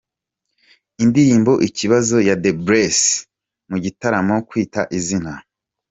Indirimbo Ikibazo ya The Bless, mu gitaramo Kwita Izina:.